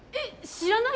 知らない？